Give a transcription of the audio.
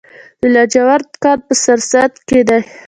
د لاجورد کان په سرسنګ کې دی